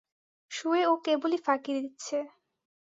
শুয়ে ও কেবলই ফাঁকি দিচ্ছে।